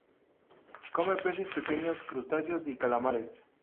Come peces pequeños, crustáceos y calamares.